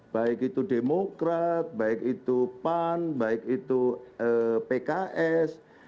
baik itu demokrat baik itu pan baik itu pks